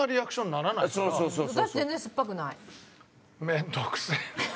面倒くせえな。